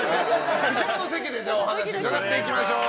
後ろの席でお話伺っていきましょう。